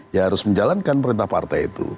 ya harus menjalankan perintah partai itu